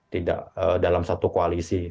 tidak dalam satu koalisi